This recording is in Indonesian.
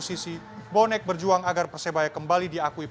sisi bonek bertuang agar persebaya kembali diakui pssi